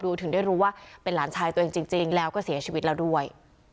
ถึงได้รู้ว่าเป็นหลานชายตัวเองจริงแล้วก็เสียชีวิตแล้วด้วย